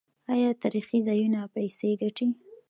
آیا تاریخي ځایونه پیسې ګټي؟